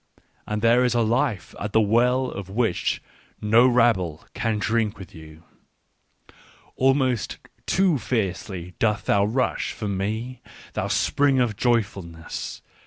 And there is a life at the well of which no rabble can drink with you. " Almost too fiercely dost thou rush, for me, thou spring of joyfulness